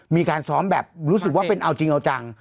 มีการซ้อมแบบรู้สึกว่าเป็นเอาจริงเอาจัง